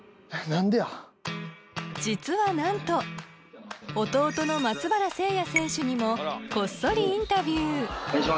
実はなんと弟の松原聖弥選手にもこっそりインタビュー